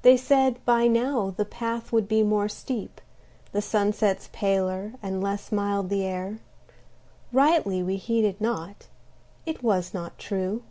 They said by now the path would be more steep, the sunsets paler and less mild the air; Rightly we heeded not; it was not true.